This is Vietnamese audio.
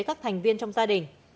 các thành viên trong gia đình